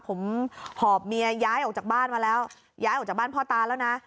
ผมหอบเมียย้ายออกจากบ้านมาแล้วย้ายออกจากบ้านพ่อตาแล้วนะ